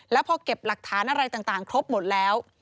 แล้วพอเก็บหลักฐานอะไรต่างครบหมดแล้ว